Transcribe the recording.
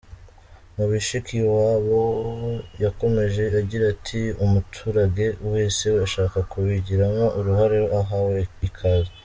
Mushikiwabo yakomeje agira ati “Umuturage wese ushaka kubigiramo uruhare ahawe ikaze.